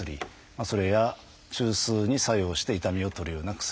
それや中枢に作用して痛みを取るような薬。